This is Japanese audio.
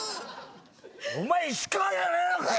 お前石川じゃねえのかよ！